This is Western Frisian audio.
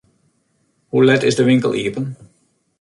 Hoe let is de winkel iepen?